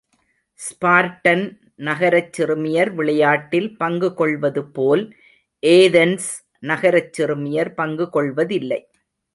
Spartan நகரச் சிறுமியர் விளையாட்டில் பங்கு கொள்வது போல் ஏதென்ஸ் நகரச் சிறுமியர் பங்கு கொள்வதில்லை.